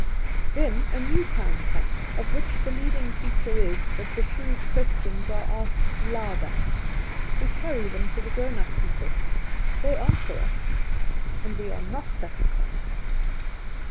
Then a new time comes, of which the leading feature is, that the shrewd questions are asked louder. We carry them to the grown up people; they answer us, and we are not satisfied.